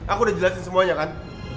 aku udah jelasin semuanya kan